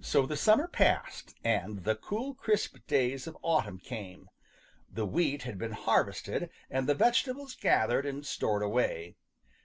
So the summer passed, and the cool crisp days of autumn came. The wheat had been harvested and the vegetables gathered and stored away.